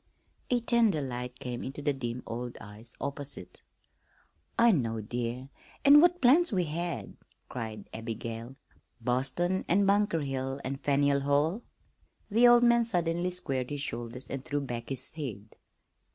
A tender light came into the dim old eyes opposite. "I know, dear, an' what plans we had!" cried Abigail; "Boston, an' Bunker Hill, an' Faneuil Hall." The old man suddenly squared his shoulders and threw back his head.